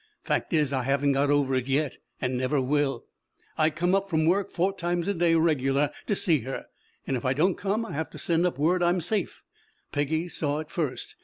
Fact is, I haven't got over it yet and never will. I come up from the work four times a day regular to see her, and if I don't come I have to send up word I'm safe. Peggy saw it first.